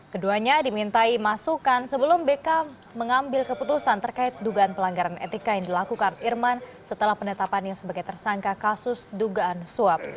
keduanya dimintai masukan sebelum bk mengambil keputusan terkait dugaan pelanggaran etika yang dilakukan irman setelah penetapannya sebagai tersangka kasus dugaan suap